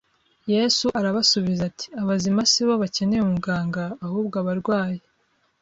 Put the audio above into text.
Yesu arabasubiza ati abazima si bo bakeneye umuganga ahubwo abarwayi